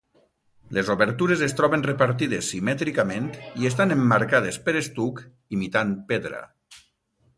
Les obertures es troben repartides simètricament i estan emmarcades per estuc imitant pedra.